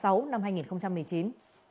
thông tin này đã được báo cáo